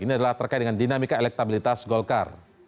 ini adalah terkait dengan dinamika elektabilitas golkar